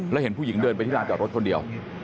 แล้วเห็นผู้หญิงเดินไปที่ลานจอดรถคนเดียว